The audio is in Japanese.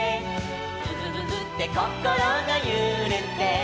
「くふふふってこころがゆれて」